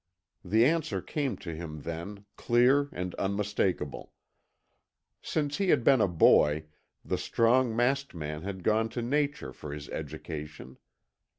The answer came to him then, clear and unmistakable. Since he had been a boy, the strong masked man had gone to nature for his education.